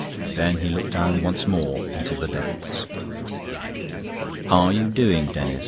Then he looked down once more into the depths. "What ARE you doing, Denis?"